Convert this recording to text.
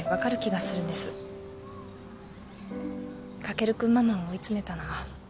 翔君ママを追い詰めたのは。